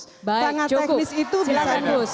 sangat teknis itu bisa